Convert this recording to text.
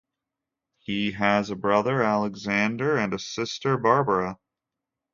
He has a brother Alexander and a sister Barbara.